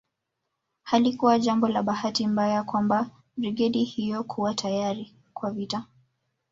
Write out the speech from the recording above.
Halikuwa jambo la bahati mbaya kwamba brigedi hiyo kuwa tayari kwa vita